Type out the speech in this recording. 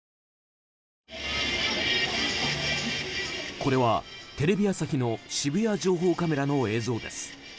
これはテレビ朝日の渋谷情報カメラの映像です。